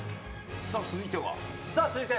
さあ、続いては。